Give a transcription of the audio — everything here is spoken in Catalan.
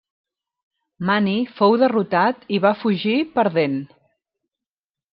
Mani fou derrotat i va fugir, perdent.